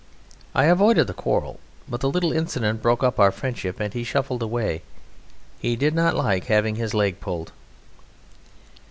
I avoided the quarrel, but the little incident broke up our friendship, and he shuffled away. He did not like having his leg pulled.